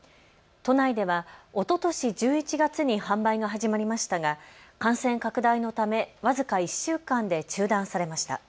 都内ではおととし１１月に販売が始まりましたが感染拡大のため僅か１週間で中断されました。